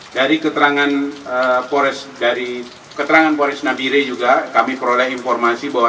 dari keterangan dari keterangan polres nabire juga kami peroleh informasi bahwa